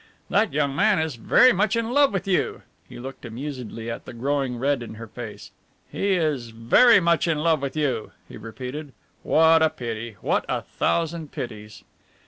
That young man is very much in love with you" he looked amusedly at the growing red in her face. "He is very much in love with you," he repeated. "What a pity! What a thousand pities!"